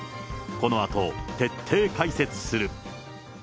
このあと徹底解説する。